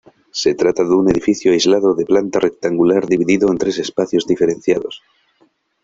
Se trata de un edificio aislado de planta rectangular dividido en tres espacios diferenciados.